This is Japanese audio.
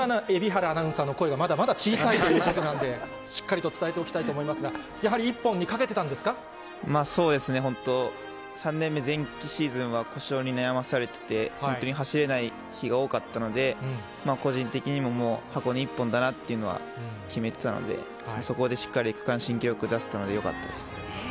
蛯原アナウンサーの声がまだまだ小さいということなので、しっかりと伝えておきたいと思いますが、そうですね、本当、３年目前期シーズンは故障に悩まされてて、本当に走れない日が多かったので、個人的にももう箱根１本だなっていうのは決めてたので、そこでしっかり区間新記録出せたのでよかったです。